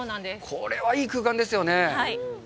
これはいい空間ですよね。